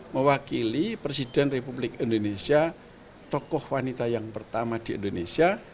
mewakili presiden republik indonesia tokoh wanita yang pertama di indonesia